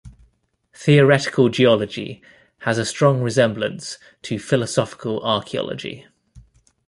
Theoretical geology has a strong resemblance to philosophical archaeology.